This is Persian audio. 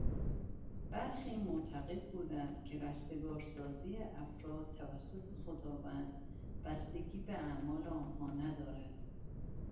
برخی معتقد بودند که رستگارسازی افراد توسط خداوند بستگی به اعمال آنها ندارد.